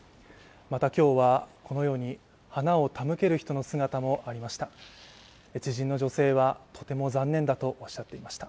また、今日はこのように花を手向ける人の姿もありました。